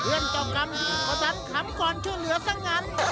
เวิ่นเจ้าคำเขากระดับขำกอนชุ่มเหลือสงัน